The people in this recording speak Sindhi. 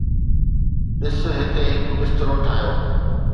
ڏس، هتي هڪ بسترو ٺاهيو